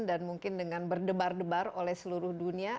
dan mungkin dengan berdebar debar oleh seluruh dunia